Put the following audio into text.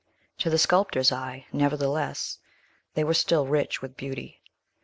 To the sculptor's eye, nevertheless, they were still rich with beauty.